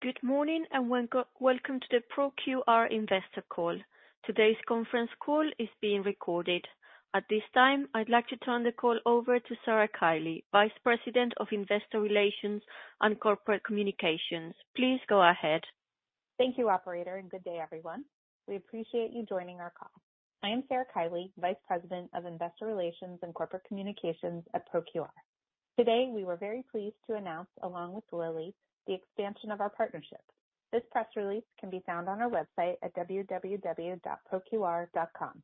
Good morning and welcome to the ProQR investor call. Today's conference call is being recorded. At this time, I'd like to turn the call over to Sarah Kiely, Vice President of Investor Relations and Corporate Communications. Please go ahead. Thank you operator, and good day everyone. We appreciate you joining our call. I am Sarah Kiely, Vice President of Investor Relations and Corporate Communications at ProQR. Today, we were very pleased to announce, along with Lilly, the expansion of our partnership. This press release can be found on our website at www.proqr.com.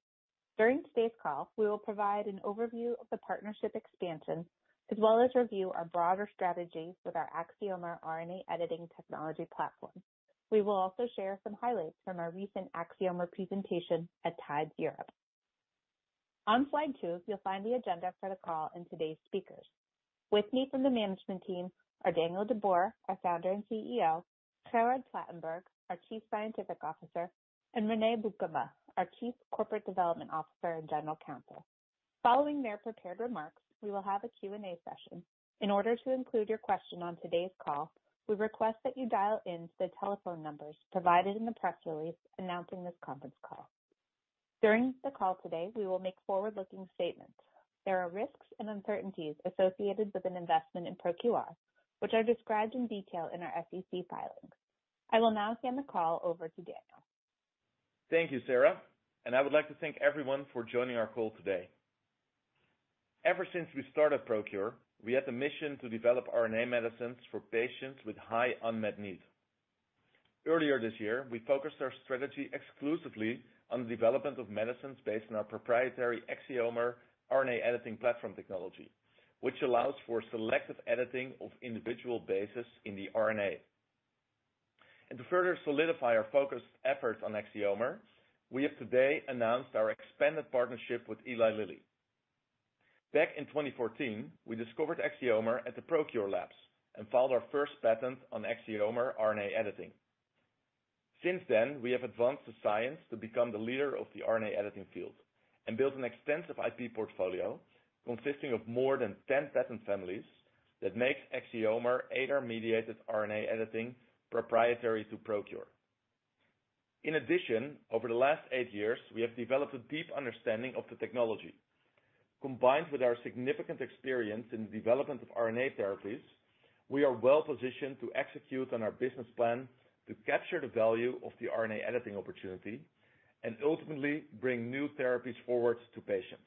During today's call, we will provide an overview of the partnership expansion, as well as review our broader strategy with our Axiomer RNA editing technology platform. We will also share some highlights from our recent Axiomer presentation at TIDES Europe. On slide two, you'll find the agenda for the call and today's speakers. With me from the management team are Daniel de Boer, our Founder and CEO, Gerard Platenburg, our Chief Scientific Officer, and René Beukema, our Chief Corporate Development Officer and General Counsel. Following their prepared remarks, we will have a Q&A session. In order to include your question on today's call, we request that you dial in to the telephone numbers provided in the press release announcing this conference call. During the call today, we will make forward-looking statements. There are risks and uncertainties associated with an investment in ProQR, which are described in detail in our SEC filings. I will now hand the call over to Daniel. Thank you, Sarah. I would like to thank everyone for joining our call today. Ever since we started ProQR, we had the mission to develop RNA medicines for patients with high unmet need. Earlier this year, we focused our strategy exclusively on the development of medicines based on our proprietary Axiomer RNA editing platform technology, which allows for selective editing of individual bases in the RNA. To further solidify our focused efforts on Axiomer, we have today announced our expanded partnership with Eli Lilly. Back in 2014, we discovered Axiomer at the ProQR labs and filed our first patent on Axiomer RNA editing. Since then, we have advanced the science to become the leader of the RNA editing field and built an extensive IP portfolio consisting of more than 10 patent families that makes Axiomer ADAR-mediated RNA editing proprietary to ProQR. In addition, over the last eight years, we have developed a deep understanding of the technology. Combined with our significant experience in the development of RNA therapies, we are well-positioned to execute on our business plan to capture the value of the RNA editing opportunity and ultimately bring new therapies forward to patients.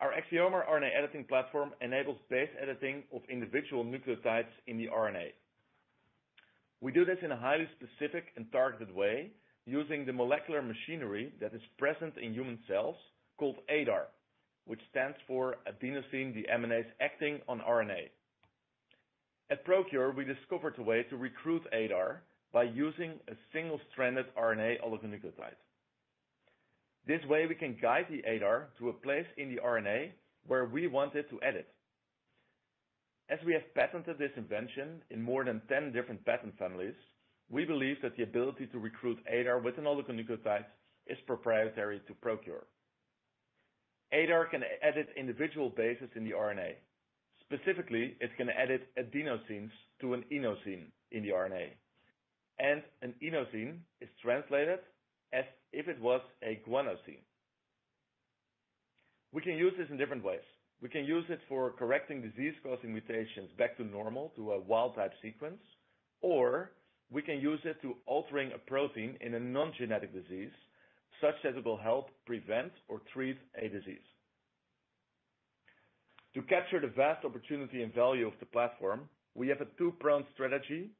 Our Axiomer RNA editing platform enables base editing of individual nucleotides in the RNA. We do this in a highly specific and targeted way using the molecular machinery that is present in human cells called ADAR, which stands for Adenosine Deaminase Acting on RNA. At ProQR, we discovered a way to recruit ADAR by using a single-stranded RNA oligonucleotide. This way we can guide the ADAR to a place in the RNA where we want it to edit. As we have patented this invention in more than 10 different patent families, we believe that the ability to recruit ADAR with an oligonucleotide is proprietary to ProQR. ADAR can edit individual bases in the RNA. Specifically, it can edit adenosines to an inosine in the RNA, and an inosine is translated as if it was a guanosine. We can use this in different ways. We can use it for correcting disease-causing mutations back to normal to a wild type sequence, or we can use it to altering a protein in a non-genetic disease such that it will help prevent or treat a disease. To capture the vast opportunity and value of the platform, we have a two-pronged strategy,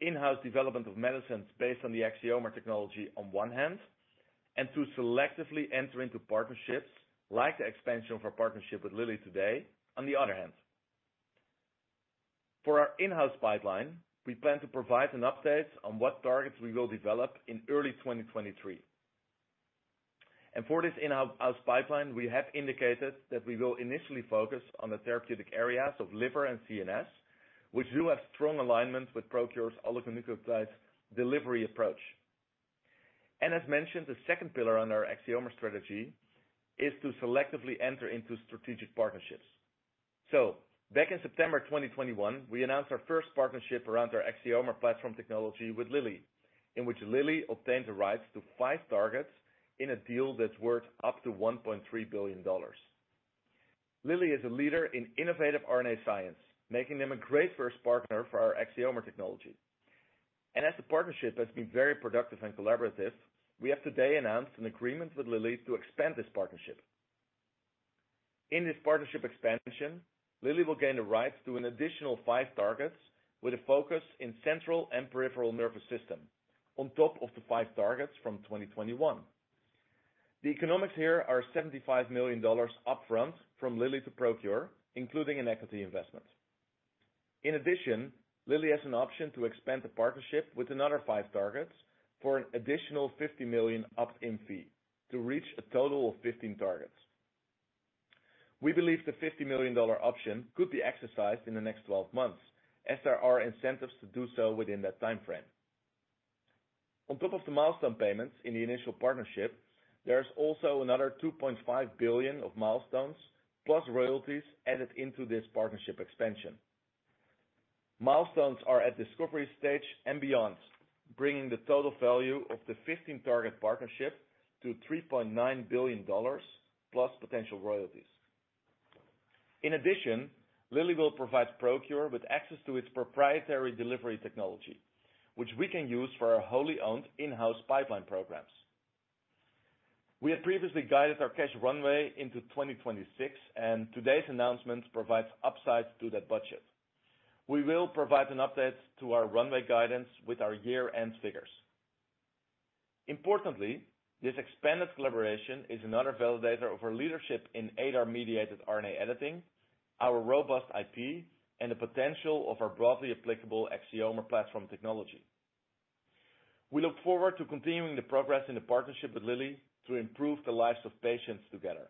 in-house development of medicines based on the Axiomer technology on one hand, and to selectively enter into partnerships like the expansion of our partnership with Lilly today, on the other hand. For our in-house pipeline, we plan to provide an update on what targets we will develop in early 2023. For this in-house pipeline, we have indicated that we will initially focus on the therapeutic areas of liver and CNS, which do have strong alignment with ProQR's oligonucleotide delivery approach. As mentioned, the second pillar on our Axiomer strategy is to selectively enter into strategic partnerships. Back in September 2021, we announced our first partnership around our Axiomer platform technology with Lilly, in which Lilly obtained the rights to five targets in a deal that's worth up to $1.3 billion. Lilly is a leader in innovative RNA science, making them a great first partner for our Axiomer technology. As the partnership has been very productive and collaborative, we have today announced an agreement with Lilly to expand this partnership. In this partnership expansion, Lilly will gain the rights to an additional five targets with a focus in central and peripheral nervous system, on top of the five targets from 2021. The economics here are $75 million upfront from Lilly to ProQR, including an equity investment. In addition, Lilly has an option to expand the partnership with another five targets for an additional $50 million opt-in fee to reach a total of 15 targets. We believe the $50 million option could be exercised in the next 12 months as there are incentives to do so within that timeframe. On top of the milestone payments in the initial partnership, there is also another $2.5 billion of milestones plus royalties added into this partnership expansion. Milestones are at discovery stage and beyond, bringing the total value of the 15 target partnership to $3.9 billion plus potential royalties. In addition, Lilly will provide ProQR with access to its proprietary delivery technology, which we can use for our wholly owned in-house pipeline programs. We had previously guided our cash runway into 2026, and today's announcement provides upside to that budget. We will provide an update to our runway guidance with our year-end figures. Importantly, this expanded collaboration is another validator of our leadership in ADAR-mediated RNA editing, our robust IP, and the potential of our broadly applicable Axiomer platform technology. We look forward to continuing the progress in the partnership with Lilly to improve the lives of patients together.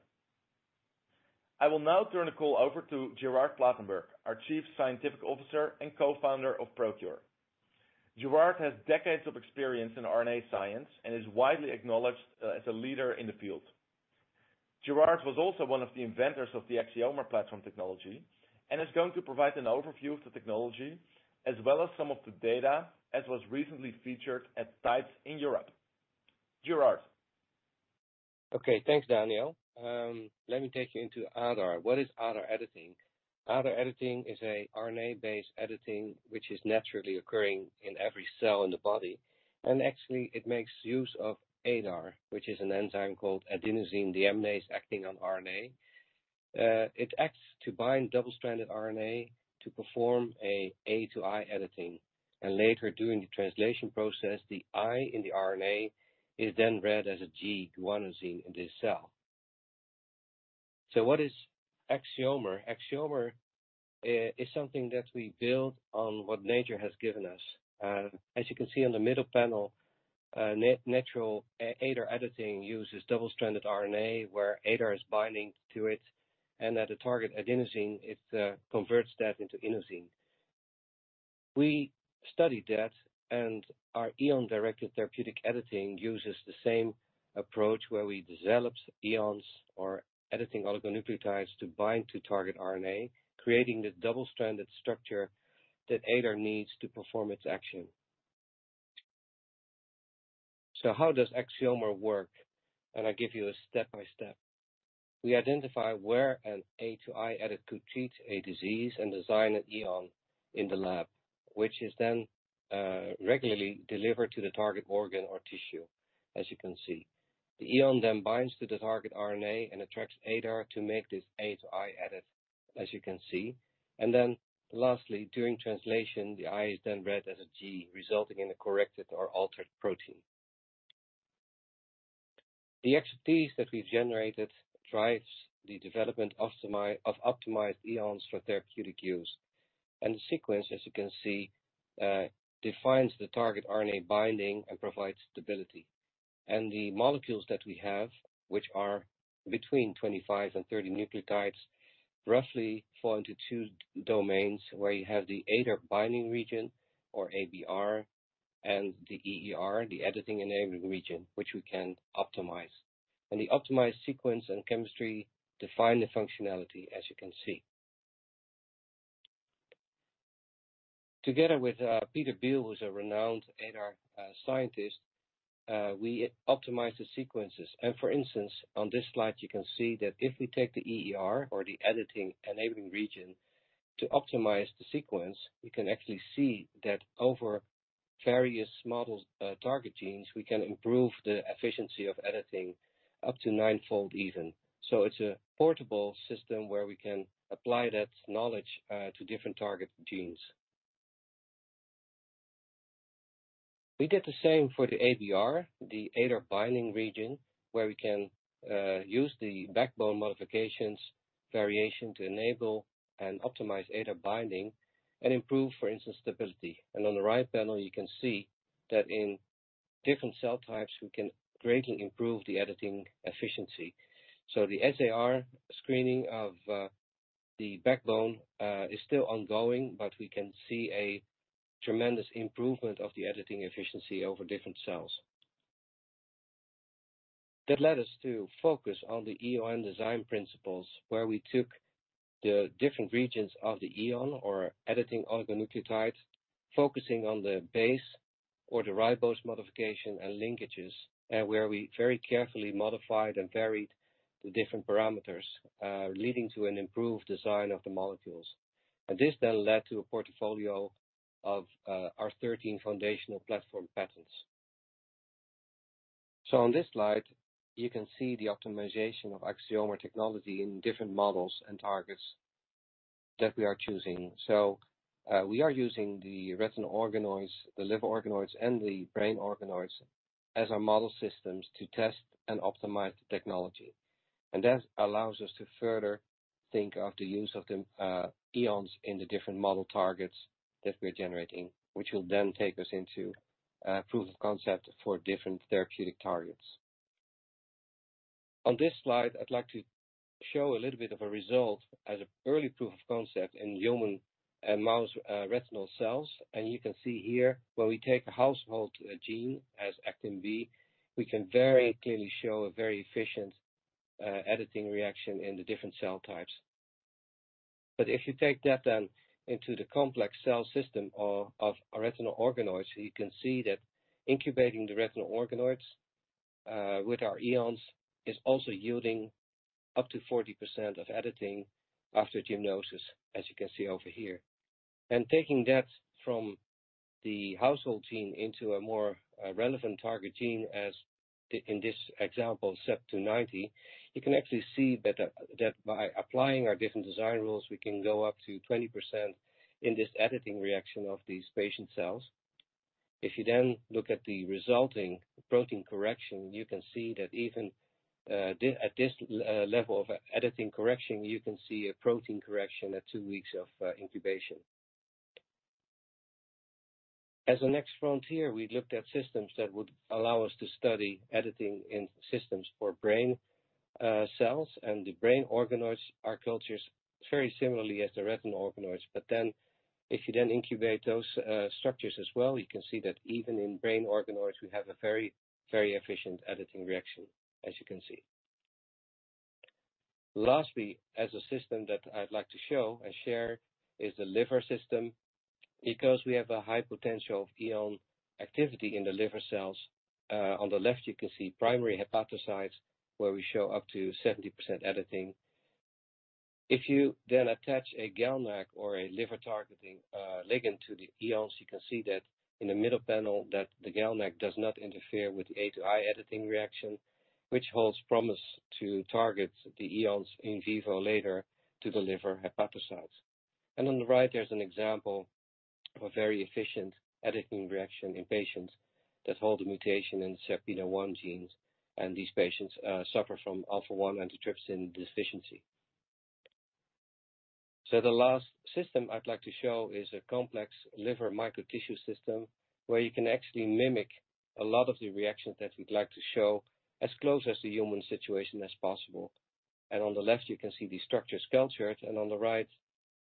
I will now turn the call over to Gerard Platenburg, our Chief Scientific Officer and Co-founder of ProQR. Gerard has decades of experience in RNA science and is widely acknowledged as a leader in the field. Gerard was also one of the inventors of the Axiomer platform technology and is going to provide an overview of the technology as well as some of the data, as was recently featured at TIDES Europe. Gerard. Okay. Thanks, Daniel. Let me take you into ADAR. What is ADAR editing? ADAR editing is a RNA-based editing, which is naturally occurring in every cell in the body. Actually, it makes use of ADAR, which is an enzyme called Adenosine Deaminase Acting on RNA. It acts to bind double-stranded RNA to perform an A-to-I editing. Later, during the translation process, the I in the RNA is then read as a G, guanosine in the cell. What is Axiomer? Axiomer is something that we build on what nature has given us. As you can see on the middle panel, natural ADAR editing uses double-stranded RNA, where ADAR is binding to it. At the target adenosine, it converts that into inosine. We study that, our EON-directed therapeutic editing uses the same approach where we develop EONs or editing oligonucleotides to bind to target RNA, creating this double-stranded structure that ADAR needs to perform its action. How does Axiomer work? I give you a step-by-step. We identify where an A-to-I edit could treat a disease and design an EON in the lab, which is then regularly delivered to the target organ or tissue, as you can see. The EON then binds to the target RNA and attracts ADAR to make this A-to-I edit, as you can see. Lastly, during translation, the I is then read as a G, resulting in a corrected or altered protein. The expertise that we generated drives the development of optimized EONs for therapeutic use. The sequence, as you can see, defines the target RNA binding and provides stability. The molecules that we have, which are between 25 and 30 nucleotides, roughly fall into two domains where you have the ADAR-binding region, or ABR, and the EER, the Editing Enabling Region, which we can optimize. The optimized sequence and chemistry define the functionality, as you can see. Together with Peter Beal, who's a renowned ADAR scientist, we optimize the sequences. For instance, on this slide, you can see that if we take the EER, or the Editing Enabling Region, to optimize the sequence, we can actually see that over various models, target genes, we can improve the efficiency of editing up to ninefold even. It's a portable system where we can apply that knowledge to different target genes. We did the same for the ABR, the ADAR-binding region, where we can use the backbone modifications variation to enable and optimize ADAR binding and improve, for instance, stability. On the right panel, you can see that in different cell types, we can greatly improve the editing efficiency. The SAR screening of the backbone is still ongoing, but we can see a tremendous improvement of the editing efficiency over different cells. That led us to focus on the EON design principles, where we took the different regions of the EON or editing oligonucleotides, focusing on the base or the ribose modification and linkages, where we very carefully modified and varied the different parameters, leading to an improved design of the molecules. This then led to a portfolio of our 13 foundational platform patents. On this slide, you can see the optimization of Axiomer technology in different models and targets that we are choosing. We are using the retinal organoids, the liver organoids, and the brain organoids as our model systems to test and optimize the technology. That allows us to further think of the use of the EONs in the different model targets that we're generating, which will then take us into proof of concept for different therapeutic targets. On this slide, I'd like to show a little bit of a result as an early proof of concept in human and mouse retinal cells. You can see here where we take a household gene as β-actin, we can very clearly show a very efficient editing reaction in the different cell types. If you take that into the complex cell system of retinal organoids, you can see that incubating the retinal organoids with our EONs is also yielding up to 40% of editing after gymnosis, as you can see over here. Taking that from the household gene into a more relevant target gene, as in this example, Septin 90, you can actually see that by applying our different design rules, we can go up to 20% in this editing reaction of these patient cells. Looking at the resulting protein correction, you can see that even at this level of editing correction, you can see a protein correction at two weeks of incubation. As a next frontier, we looked at systems that would allow us to study editing in systems for brain cells, and the brain organoids are cultured very similarly as the retinal organoids. If you then incubate those structures as well, you can see that even in brain organoids we have a very, very efficient editing reaction, as you can see. Lastly, as a system that I'd like to show and share is the liver system because we have a high potential of EON activity in the liver cells. On the left you can see primary hepatocytes where we show up to 70% editing. If you then attach a GalNAc or a liver-targeting ligand to the EONs, you can see that in the middle panel that the GalNAc does not interfere with the A-to-I editing reaction, which holds promise to target the EONs in vivo later to the liver hepatocytes. On the right there's an example of a very efficient editing reaction in patients that hold a mutation in SERPINA1 genes, and these patients suffer from alpha-1 antitrypsin deficiency. The last system I'd like to show is a complex liver microtissue system where you can actually mimic a lot of the reactions that we'd like to show as close as the human situation as possible. On the left you can see the structures cultured, and on the right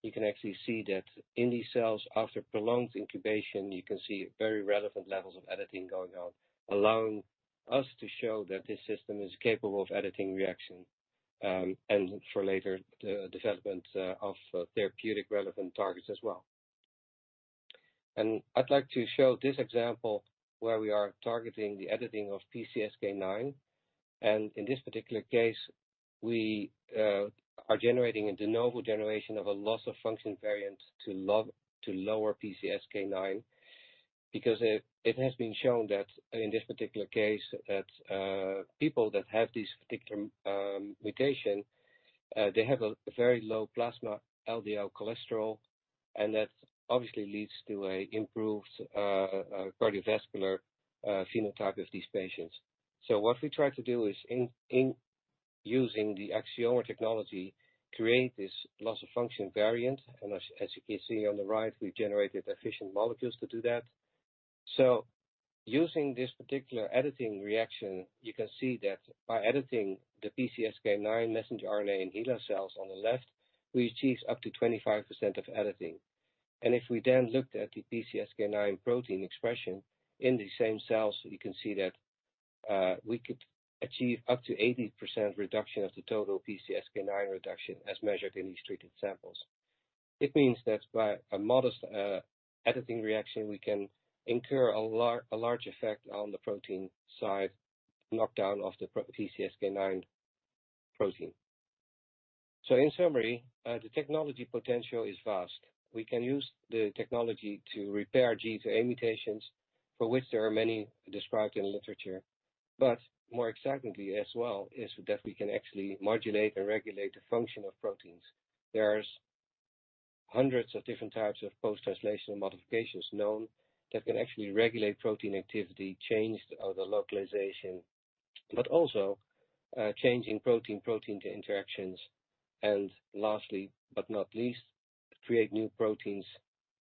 you can actually see that in these cells after prolonged incubation, you can see very relevant levels of editing going on, allowing us to show that this system is capable of editing reaction, and for later the development of therapeutic relevant targets as well. I'd like to show this example where we are targeting the editing of PCSK9, and in this particular case, we are generating a de novo generation of a loss-of-function variant to lower PCSK9 because it has been shown that in this particular case that people that have this particular mutation, they have a very low plasma LDL cholesterol, and that obviously leads to a improved cardiovascular phenotype of these patients. What we try to do is in using the Axiomer technology, create this loss-of-function variant. As you can see on the right, we generated efficient molecules to do that. Using this particular editing reaction, you can see that by editing the PCSK9 messenger RNA in HeLa cells on the left, we achieve up to 25% of editing. If we then looked at the PCSK9 protein expression in the same cells, you can see that we could achieve up to 80% reduction of the total PCSK9 reduction as measured in these treated samples. It means that by a modest editing reaction, we can incur a large effect on the protein side knockdown of the PCSK9 protein. In summary, the technology potential is vast. We can use the technology to repair G-to-A mutations for which there are many described in literature. More excitingly as well is that we can actually modulate and regulate the function of proteins. There's hundreds of different types of post-translational modifications known that can actually regulate protein activity, change the localization, but also, changing protein-protein interactions, and lastly but not least, create new proteins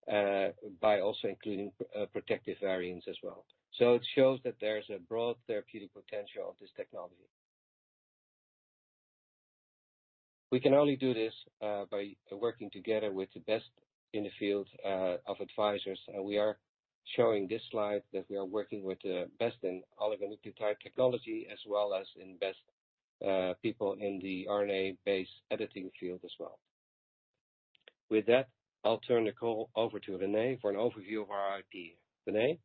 by also including protective variants as well. It shows that there's a broad therapeutic potential of this technology. We can only do this by working together with the best in the field of advisors. We are showing this slide that we are working with the best in oligonucleotide technology as well as in best people in the RNA-based editing field as well. With that, I'll turn the call over to René for an overview of our IP. René?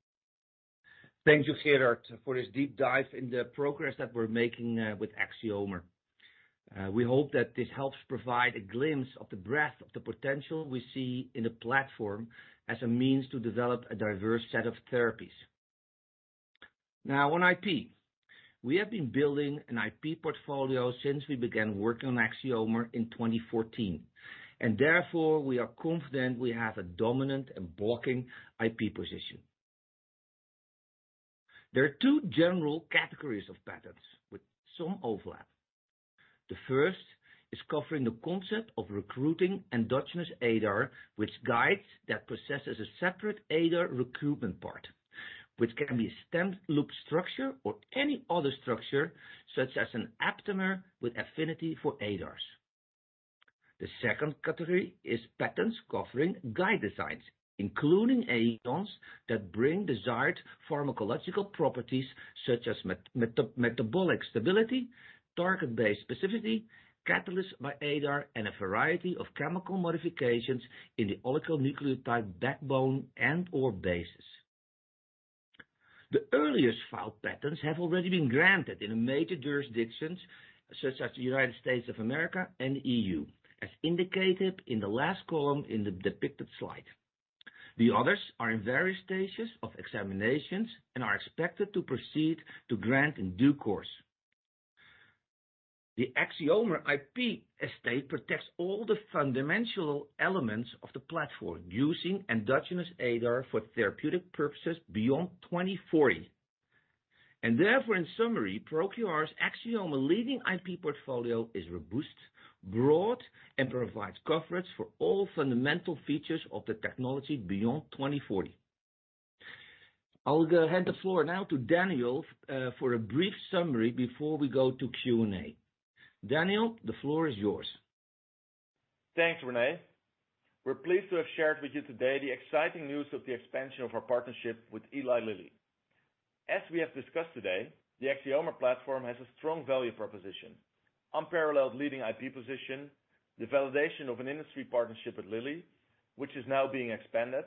Thank you, Gerard, for this deep dive in the progress that we're making with Axiomer. We hope that this helps provide a glimpse of the breadth of the potential we see in the platform as a means to develop a diverse set of therapies. On IP, we have been building an IP portfolio since we began working on Axiomer in 2014. Therefore, we are confident we have a dominant and blocking IP position. There are two general categories of patents with some overlap. The first is covering the concept of recruiting endogenous ADAR, which guides that possesses a separate ADAR recruitment part, which can be a stem-loop structure or any other structure, such as an aptamer with affinity for ADARs. The second category is patents covering guide designs, including EONs that bring desired pharmacological properties such as metabolic stability, target-based specificity, cataly by ADAR, and a variety of chemical modifications in the oligonucleotide backbone and/or bases. The earliest filed patents have already been granted in major jurisdictions such as the United States of America and EU, as indicated in the last column in the depicted slide. The others are in various stages of examinations and are expected to proceed to grant in due course. The Axiomer IP estate protects all the fundamental elements of the platform, using endogenous ADAR for therapeutic purposes beyond 2040. Therefore, in summary, ProQR's Axiomer leading IP portfolio is robust, broad, and provides coverage for all fundamental features of the technology beyond 2040. I'll hand the floor now to Daniel for a brief summary before we go to Q&A. Daniel, the floor is yours. Thanks, René. We're pleased to have shared with you today the exciting news of the expansion of our partnership with Eli Lilly. As we have discussed today, the Axiomer platform has a strong value proposition, unparalleled leading IP position, the validation of an industry partnership with Lilly, which is now being expanded,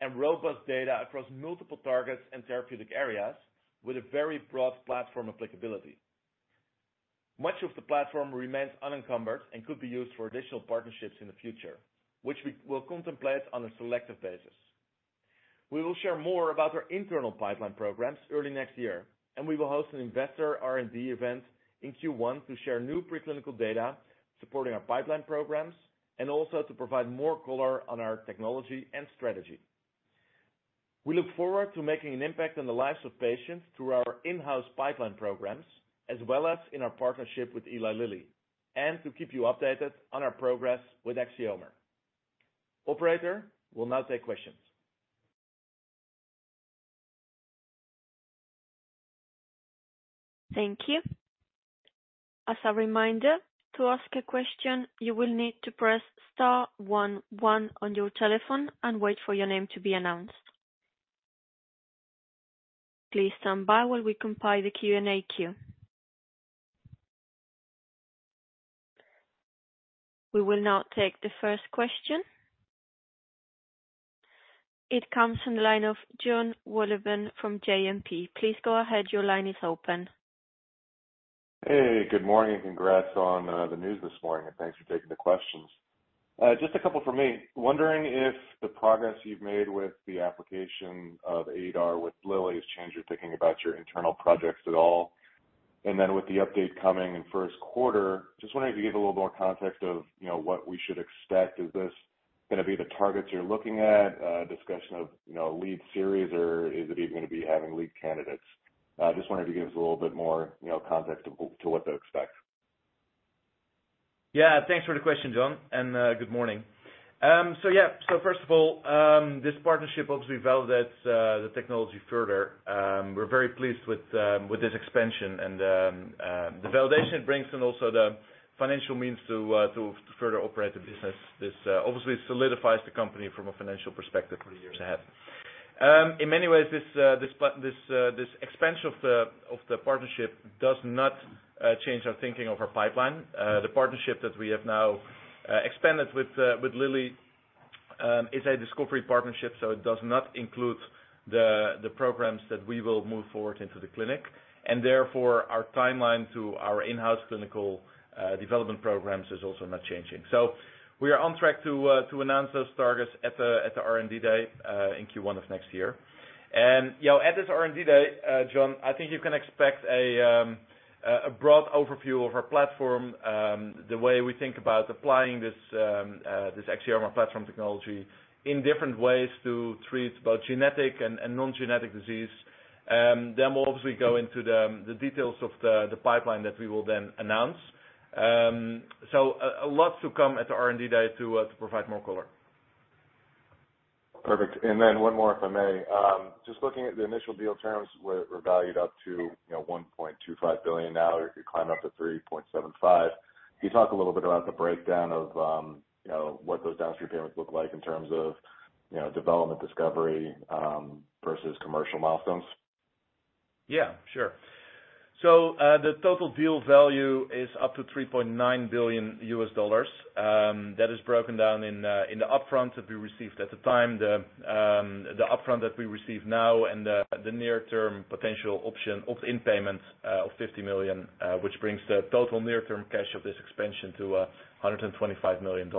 and robust data across multiple targets and therapeutic areas with a very broad platform applicability. Much of the platform remains unencumbered and could be used for additional partnerships in the future, which we will contemplate on a selective basis. We will share more about our internal pipeline programs early next year, and we will host an investor R&D event in Q1 to share new preclinical data supporting our pipeline programs and also to provide more color on our technology and strategy. We look forward to making an impact on the lives of patients through our in-house pipeline programs, as well as in our partnership with Eli Lilly, and to keep you updated on our progress with Axiomer. Operator, we'll now take questions. Thank you. As a reminder, to ask a question, you will need to press star one one on your telephone and wait for your name to be announced. Please stand by while we compile the Q&A queue. We will now take the first question. It comes from the line of Jon Wolleben from JMP. Please go ahead. Your line is open. Hey, good morning. Congrats on the news this morning, thanks for taking the questions. Just a couple from me. Wondering if the progress you've made with the application of ADAR with Lilly's changed your thinking about your internal projects at all. Then with the update coming in first quarter, just wondering if you could give a little more context of, you know, what we should expect. Is this gonna be the targets you're looking at, discussion of, you know, lead series, or is it even gonna be having lead candidates? Just wondering if you could give us a little bit more, you know, context to what to expect. Yeah, thanks for the question, Jon, good morning. Yeah, first of all, this partnership obviously validates the technology further. We're very pleased with this expansion and the validation it brings and also the financial means to further operate the business. This obviously solidifies the company from a financial perspective for years ahead. In many ways, this expansion of the partnership does not change our thinking of our pipeline. The partnership that we have now expanded with Lilly is a discovery partnership, so it does not include the programs that we will move forward into the clinic. Therefore, our timeline to our in-house clinical development programs is also not changing. We are on track to announce those targets at the R&D Day in Q1 of next year. You know, at this R&D Day, Jon, I think you can expect a broad overview of our platform, the way we think about applying this Axiomer platform technology in different ways to treat both genetic and non-genetic disease. We'll obviously go into the details of the pipeline that we will then announce. A lot to come at the R&D Day to provide more color. Perfect. Then one more, if I may. Just looking at the initial deal terms were valued up to, you know, $1.25 billion now, or it could climb up to $3.75 billion. Can you talk a little bit about the breakdown of, you know, what those downstream payments look like in terms of, you know, development, discovery, versus commercial milestones? Yeah, sure. The total deal value is up to $3.9 billion. That is broken down in the upfront that we received at the time, the upfront that we receive now and the near-term potential option of in payments of $50 million, which brings the total near-term cash of this expansion to $125 million.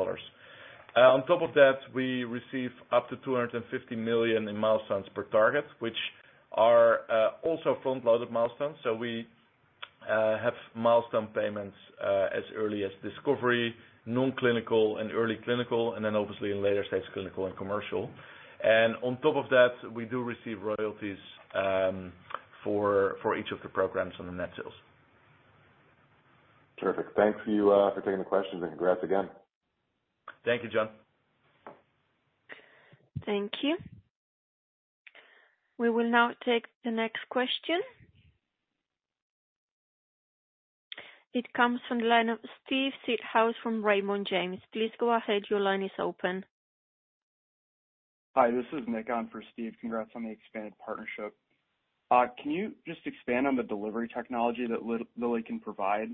On top of that, we receive up to $250 million in milestones per target, which are also front-loaded milestones. We have milestone payments as early as discovery, non-clinical and early clinical, and then obviously in later stage, clinical and commercial. On top of that, we do receive royalties for each of the programs on the net sales. Terrific. Thanks you for taking the questions, and congrats again. Thank you, Jon. Thank you. We will now take the next question. It comes from the line of Steve Seedhouse from Raymond James. Please go ahead. Your line is open. Hi, this is Nick on for Steve. Congrats on the expanded partnership. Can you just expand on the delivery technology that Lilly can provide?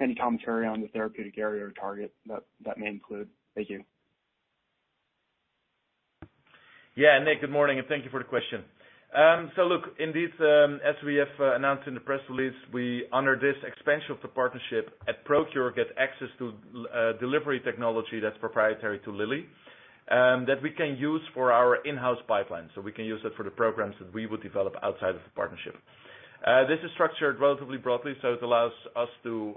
Any commentary on the therapeutic area or target that may include? Thank you. Yeah. Nick, good morning, and thank you for the question. Look, indeed, as we have announced in the press release, we under this expansion of the partnership at ProQR get access to delivery technology that's proprietary to Lilly that we can use for our in-house pipeline. We can use it for the programs that we would develop outside of the partnership. This is structured relatively broadly, so it allows us to,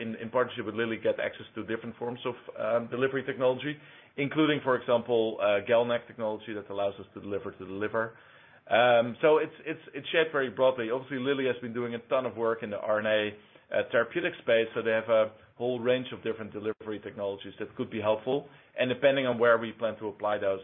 in partnership with Lilly, get access to different forms of delivery technology, including for example, GalNAc technology that allows us to deliver to the liver. It's shaped very broadly. Obviously, Lilly has been doing a ton of work in the RNA therapeutic space, they have a whole range of different delivery technologies that could be helpful. Depending on where we plan to apply those,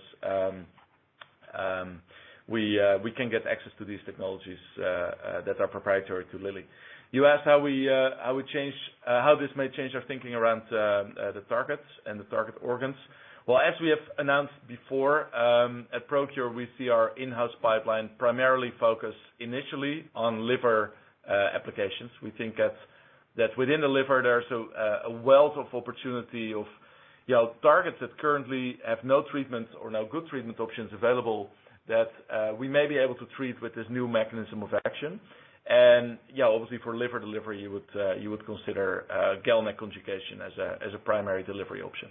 we can get access to these technologies that are proprietary to Lilly. You asked how this may change our thinking around the targets and the target organs. Well, as we have announced before, at ProQR, we see our in-house pipeline primarily focus initially on liver applications. We think that within the liver, there's a wealth of opportunity of, you know, targets that currently have no treatments or no good treatment options available that we may be able to treat with this new mechanism of action. Yeah, obviously for liver delivery, you would consider GalNAc conjugation as a primary delivery option.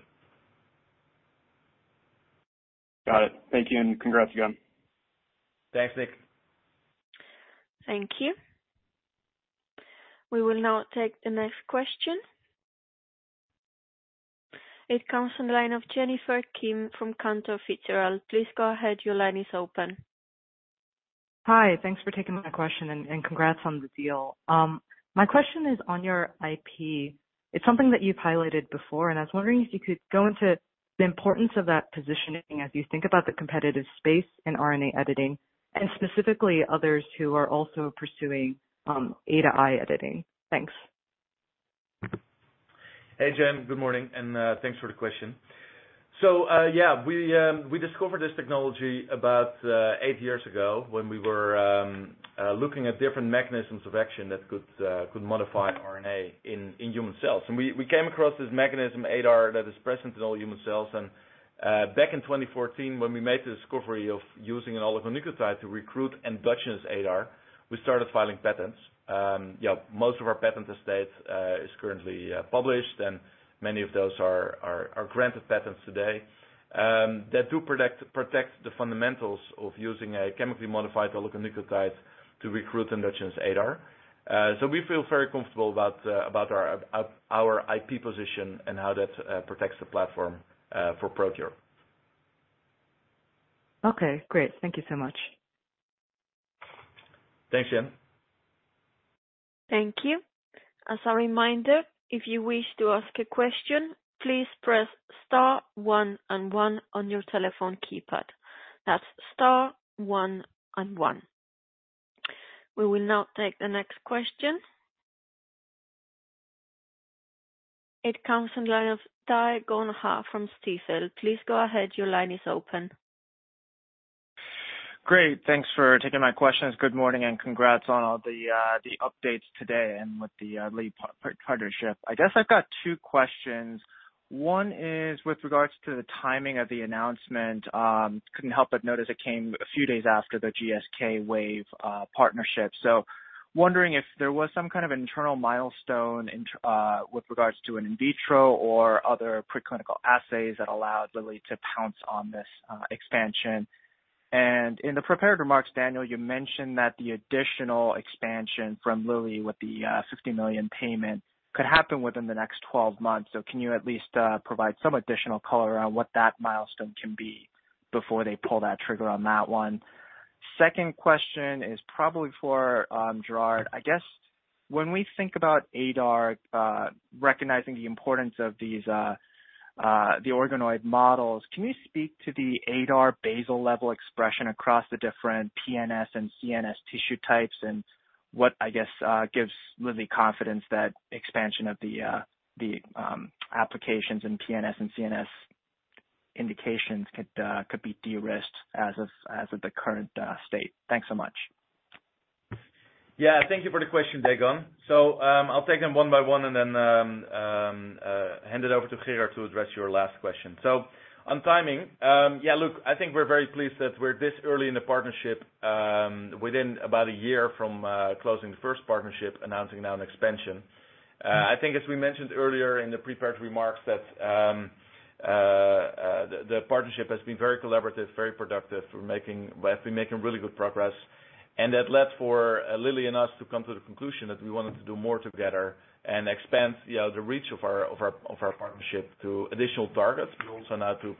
Got it. Thank you. Congrats again. Thanks, Nick. Thank you. We will now take the next question. It comes from the line of Jennifer Kim from Cantor Fitzgerald. Please go ahead. Your line is open. Hi. Thanks for taking my question, and congrats on the deal. My question is on your IP. It's something that you've highlighted before, and I was wondering if you could go into the importance of that positioning as you think about the competitive space in RNA editing and specifically others who are also pursuing ADAR editing. Thanks. Hey, Jen, good morning. Thanks for the question. Yeah, we discovered this technology about eight years ago when we were looking at different mechanisms of action that could modify RNA in human cells. We came across this mechanism, ADAR, that is present in all human cells. Back in 2014, when we made the discovery of using an oligonucleotide to recruit endogenous ADAR, we started filing patents. Yeah, most of our patent estate is currently published, and many of those are granted patents today. They do protect the fundamentals of using a chemically modified oligonucleotide to recruit endogenous ADAR. We feel very comfortable about our IP position and how that protects the platform for ProQR. Okay, great. Thank you so much. Thanks, Jen. Thank you. As a reminder, if you wish to ask a question, please press star one and one on your telephone keypad. That's star one and one. We will now take the next question. It comes from line of Dae Gon Ha from Stifel. Please go ahead. Your line is open. Great. Thanks for taking my questions. Good morning and congrats on all the updates today and with the lead partnership. I guess I've got two questions. One is with regards to the timing of the announcement. Couldn't help but notice it came a few days after the GSK Wave partnership. Wondering if there was some kind of internal milestone with regards to an in vitro or other preclinical assays that allowed Lilly to pounce on this expansion. In the prepared remarks, Daniel, you mentioned that the additional expansion from Lilly with the $60 million payment could happen within the next 12 months. Can you at least provide some additional color around what that milestone can be before they pull that trigger on that one? Second question is probably for Gerard. I guess when we think about ADAR, recognizing the importance of these, the organoid models, can you speak to the ADAR basal level expression across the different PNS and CNS tissue types and what, I guess, gives Lilly confidence that expansion of the, applications in PNS and CNS indications could be de-risked as of the current, state? Thanks so much. Yeah, thank you for the question, Dae Gon. I'll take them one by one and then hand it over to Gerard to address your last question. On timing, yeah, look, I think we're very pleased that we're this early in the partnership, within about a year from closing the first partnership, announcing now an expansion. I think as we mentioned earlier in the prepared remarks that the partnership has been very collaborative, very productive. We've been making really good progress, and that led for Lilly and us to come to the conclusion that we wanted to do more together and expand, you know, the reach of our partnership to additional targets, but also now to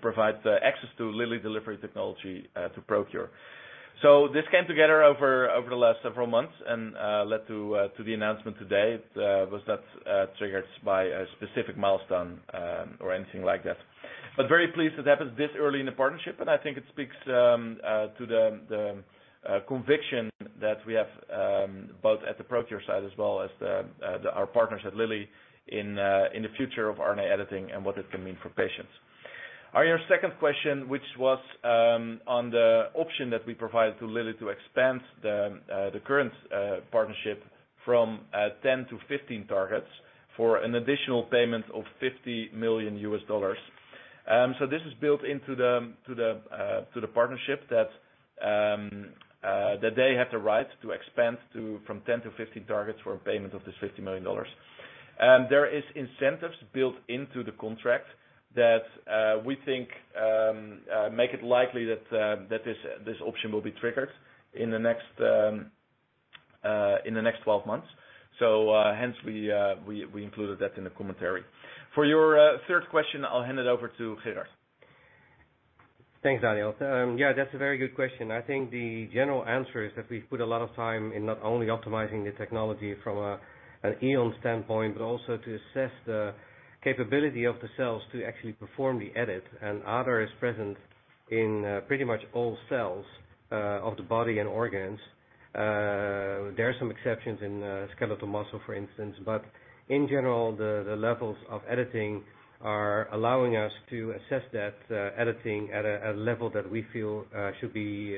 provide access to Lilly delivery technology, to ProQR. This came together over the last several months and led to the announcement today. Was not triggered by a specific milestone or anything like that. Very pleased it happened this early in the partnership, and I think it speaks to the conviction that we have both at the ProQR side as well as the our partners at Lilly in the future of RNA editing and what this can mean for patients. On your second question, which was on the option that we provided to Lilly to expand the current partnership from 10 to 15 targets for an additional payment of $50 million. This is built into the to the partnership that they have the right to expand to, from 10 to 15 targets for a payment of $50 million. There is incentives built into the contract that we think make it likely that this option will be triggered in the next 12 months. Hence we included that in the commentary. For your third question, I'll hand it over to Gerard. Thanks, Daniel. Yeah, that's a very good question. I think the general answer is that we've put a lot of time in not only optimizing the technology from an EON standpoint, but also to assess the capability of the cells to actually perform the edit. ADAR is present in pretty much all cells of the body and organs. There are some exceptions in skeletal muscle, for instance. In general, the levels of editing are allowing us to assess that editing at a level that we feel should be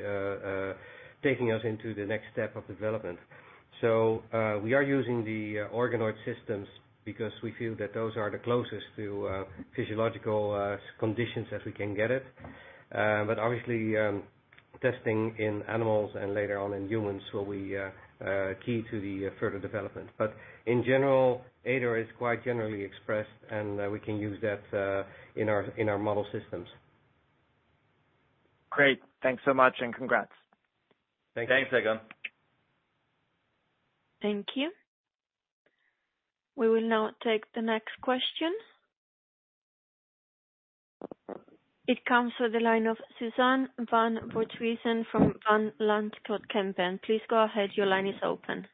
taking us into the next step of development. We are using the organoid systems because we feel that those are the closest to physiological conditions as we can get it. Obviously, testing in animals and later on in humans will be key to the further development. In general, ADAR is quite generally expressed, and we can use that in our model systems. Great. Thanks so much and congrats. Thanks. Thanks, Dae Gon. Thank you. We will now take the next question. It comes through the line of Suzanne van Voorthuizen from Van Lanschot Kempen. Please go ahead. Your line is open.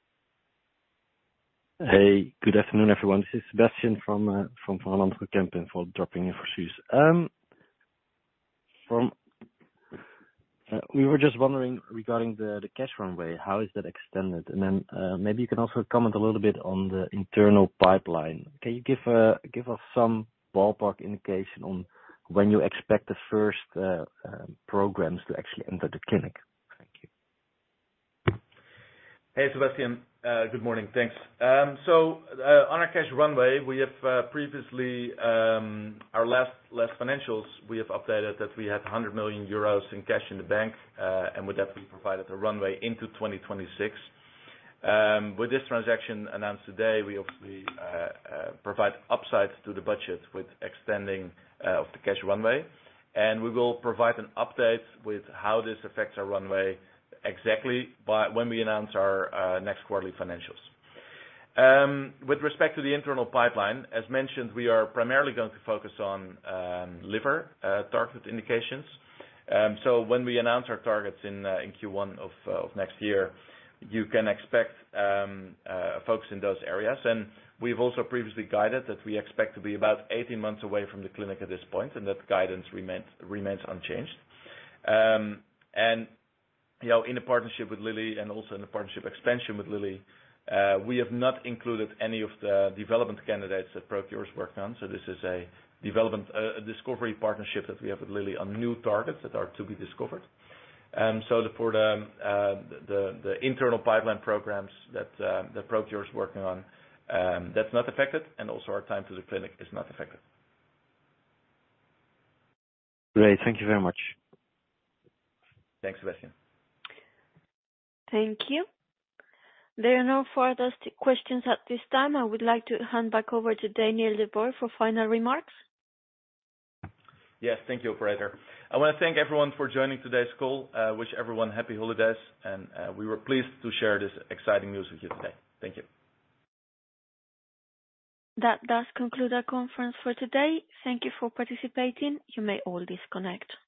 Hey, good afternoon, everyone. This is Sebastiaan from Van Lanschot Kempen for dropping in for Suz. We were just wondering regarding the cash runway, how is that extended? Maybe you can also comment a little bit on the internal pipeline. Can you give us some ballpark indication on when you expect the first programs to actually enter the clinic? Thank you. Hey, Sebastiaan. Good morning. Thanks. On our cash runway, we have previously, our last financials, we have updated that we had 100 million euros in cash in the bank, and with that we provided a runway into 2026. With this transaction announced today, we obviously provide upside to the budget with extending of the cash runway. We will provide an update with how this affects our runway exactly by when we announce our next quarterly financials. With respect to the internal pipeline, as mentioned, we are primarily going to focus on liver targeted indications. When we announce our targets in Q1 of next year, you can expect a focus in those areas. We've also previously guided that we expect to be about 18 months away from the clinic at this point, and that guidance remains unchanged. You know, in a partnership with Lilly and also in a partnership expansion with Lilly, we have not included any of the development candidates that ProQR's worked on. This is a development discovery partnership that we have with Lilly on new targets that are to be discovered. For the internal pipeline programs that ProQR is working on, that's not affected and also our time to the clinic is not affected. Great. Thank you very much. Thanks, Sebastiaan. Thank you. There are no further questions at this time. I would like to hand back over to Daniel de Boer for final remarks. Yes. Thank you, operator. I wanna thank everyone for joining today's call, wish everyone happy holidays and we were pleased to share this exciting news with you today. Thank you. That does conclude our conference for today. Thank you for participating. You may all disconnect.